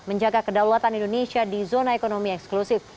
menjaga kedaulatan indonesia di zona ekonomi eksklusif